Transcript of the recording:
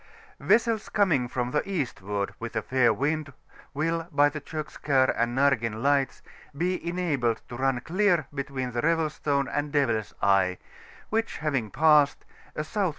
Vessels coming from the eastward with a fair wind will, by the Eokskar and Narseii Lights, be enabled to run clear between the Revel Stone and Devil's Eye ; which havmg passed, a S.W.